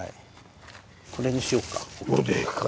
これにしようか。